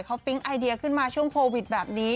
เขาปิ๊งไอเดียขึ้นมาช่วงโควิดแบบนี้